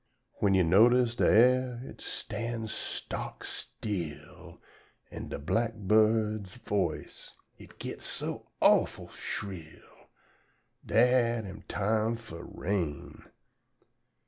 "When you notice da air it Stan's stock still, An' da blackbird's voice it gits so awful shrill, Dat am da time fuh rain.